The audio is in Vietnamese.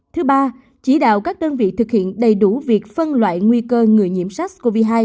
thứ ba chỉ đạo các đơn vị thực hiện đầy đủ việc phân loại nguy cơ người nhiễm sars cov hai